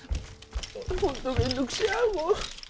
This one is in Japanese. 本当めんどくしゃあもう。